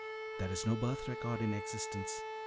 There is no birth record in existence.